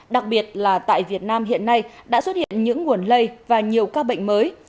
đặc biệt là tại việt nam hiện nay đã xuất hiện những nguồn lây và nhiều ca bệnh mới